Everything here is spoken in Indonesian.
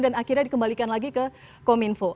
dan akhirnya dikembalikan lagi ke kominfo